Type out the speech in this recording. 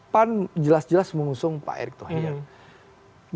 pan jelas jelas mengusung pak erik tuhanian